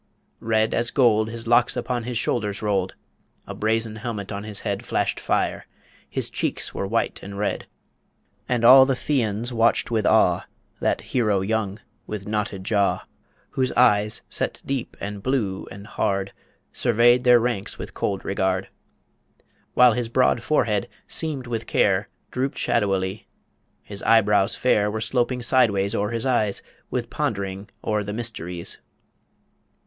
Red as gold His locks upon his shoulders rolled; A brazen helmet on his head Flashed fire; his cheeks were white and red; And all the Fians watched with awe That hero young with knotted jaw, Whose eyes, set deep, and blue and hard, Surveyed their ranks with cold regard; While his broad forehead, seamed with care, Drooped shadowily: his eyebrows fair Were sloping sideways o'er his eyes With pondering o'er the mysteries.